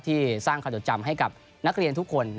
สร้างความจดจำให้กับนักเรียนทุกคน